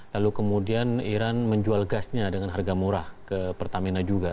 lalu kemudian iran menjual gasnya dengan harga murah ke pertamina juga